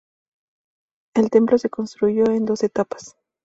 El templo se construyó en dos etapas.